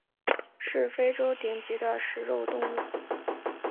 是非洲顶级的食肉动物。